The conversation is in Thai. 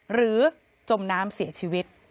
หรือจมน้ำเสียชีวิต